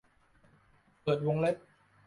เปิดวงเล็บ